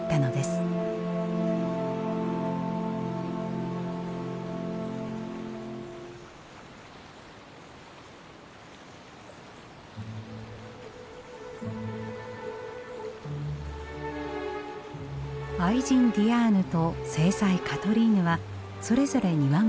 愛人ディアーヌと正妻カトリーヌはそれぞれ庭も作りました。